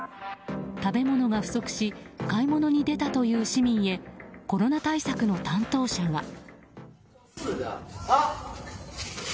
食べ物が不足し買い物に出たという市民へコロナ対策の担当者が。